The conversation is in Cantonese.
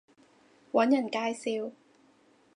搵人介紹